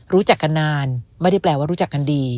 รู้จักกันนานไม่ได้แปลว่ารู้จักกันดี